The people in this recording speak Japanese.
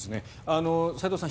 齋藤さん